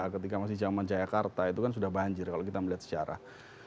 ketika masih zaman jayakarta itu kan sudah banjir kalau kita melihat sejarah